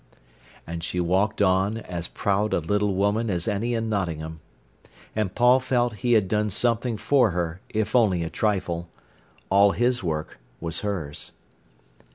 And she walked on, as proud a little woman as any in Nottingham. And Paul felt he had done something for her, if only a trifle. All his work was hers.